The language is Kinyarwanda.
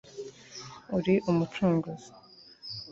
uri umucunguzi